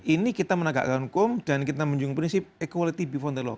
ini kita menegakkan hukum dan kita menjung prinsip equality before the law